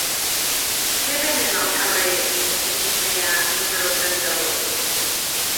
Què venen al carrer d'Idumea número trenta-dos?